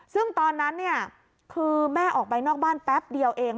ซึ่งตอนนั้นเนี่ยคือแม่ออกไปนอกบ้านแป๊บเดียวเอง